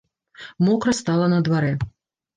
Мокра стала на дварэ.